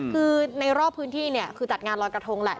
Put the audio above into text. คือในรอบพื้นที่เนี่ยคือจัดงานรอยกระทงแหละ